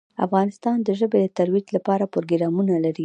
افغانستان د ژبې د ترویج لپاره پروګرامونه لري.